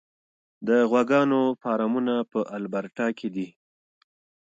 د غواګانو فارمونه په البرټا کې دي.